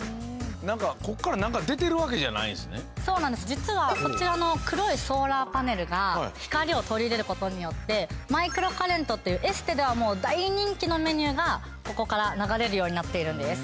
実はこちらの黒いソーラーパネルが光を取り入れる事によってマイクロカレントというエステでは大人気のメニューがここから流れるようになっているんです。